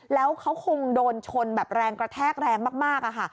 แล้วเขาคงโดนชนแบบแรงกระแทกแรงมากอะค่ะ